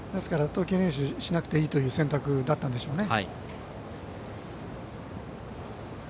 投球練習はしなくていいという選択だったんでしょうね。